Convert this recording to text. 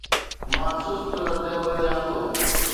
مان سست ردعمل ڏيان ٿو